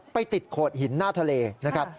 ไปติดโขดหินหน้าทะเลนะครับ